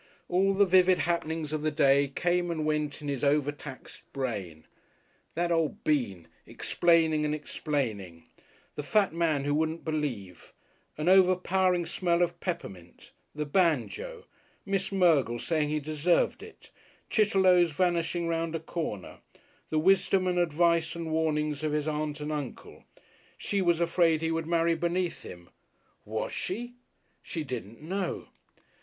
All the vivid happenings of the day came and went in his overtaxed brain; "that old Bean" explaining and explaining, the fat man who wouldn't believe, an overpowering smell of peppermint, the banjo, Miss Mergle saying he deserved it, Chitterlow's vanishing round a corner, the wisdom and advice and warnings of his Aunt and Uncle. She was afraid he would marry beneath him, was she? She didn't know....